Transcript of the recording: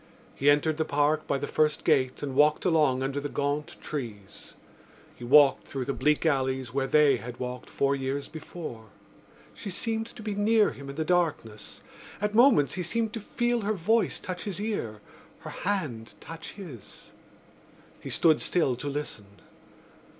He entered the Park by the first gate and walked along under the gaunt trees. He walked through the bleak alleys where they had walked four years before. She seemed to be near him in the darkness. At moments he seemed to feel her voice touch his ear, her hand touch his. He stood still to listen.